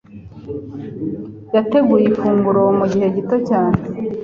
Yateguye ifunguro mugihe gito cyane.